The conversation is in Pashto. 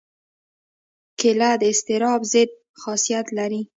کېله د اضطراب ضد خاصیت لري.